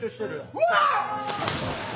うわ！